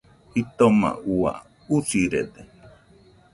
Jitoma ua, usirede.